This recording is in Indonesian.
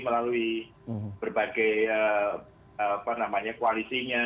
melalui berbagai koalisinya